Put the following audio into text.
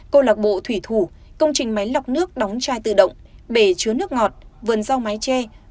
câu lạc bộ thủy thủ công trình máy lọc nước đóng chai tự động bể chứa nước ngọt vườn rau mái tre